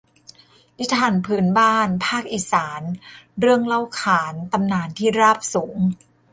นิทานพื้นบ้านภาคอีสาน เรื่องเล่าขานตำนานที่ราบสูง